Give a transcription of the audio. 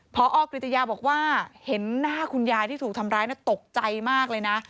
พอกริตยาบอกว่าเห็นหน้าคุณยายที่ถูกทำร้ายตกใจมากเลยนะ